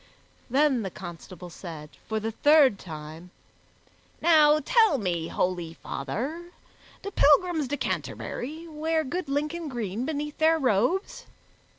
Then the constable said, for the third time, "Now tell me, holy father, do pilgrims to Canterbury wear good Lincoln green beneath their robes?